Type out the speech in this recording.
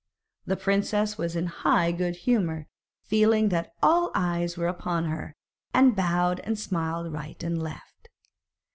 The princess was in high good humour, feeling that all eyes were upon her, and bowed and smiled right and left.